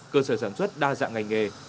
cơ sở sản xuất đa dạng ngành nghề